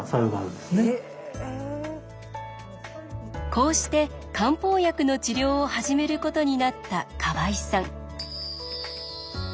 こうして漢方薬の治療を始めることになった河合さん。